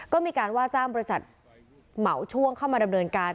ก็มีการว่าจ้างบริษัทเหมาช่วงเข้ามาดำเนินการ